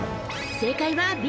正解はＢ。